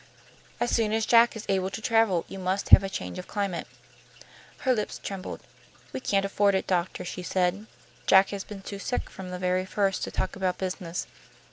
As soon as Jack is able to travel you must have a change of climate." Her lips trembled. "We can't afford it, doctor," she said. "Jack has been too sick from the very first to talk about business.